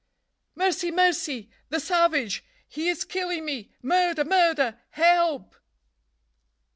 "Mercy! mercy! the savage! he is killing me! murder! murder! help!"